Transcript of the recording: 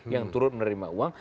yang turut menerima uang